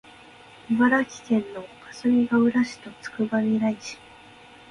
茨城県のかすみがうら市とつくばみらい市